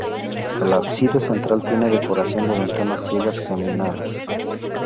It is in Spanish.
El ábside central tiene decoración de ventanas ciegas geminadas.